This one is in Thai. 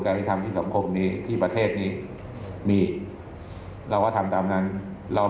ฟังท่านเพิ่มค่ะบอกว่าถ้าผู้ต้องหาหรือว่าคนก่อเหตุฟังอยู่